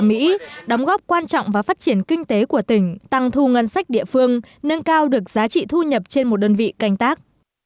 đóng góp quan trọng vào phát triển kinh tế của tỉnh tăng thu ngân sách địa phương nâng cao được giá trị thu nhập trên một đơn vị canh tác